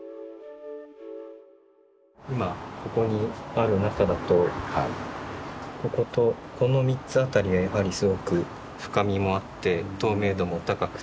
今ここにある中だとこの３つあたりがやはりすごく深みもあって透明度も高くてとてもいい色合い。